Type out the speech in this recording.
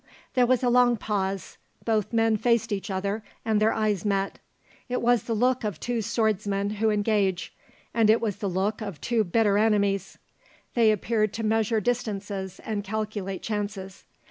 There was a long pause. Both men faced each other, and their eyes met. It was the look of two swordsmen who engage, and it was the look of two bitter enemies; they appeared to measure distances and calculate chances.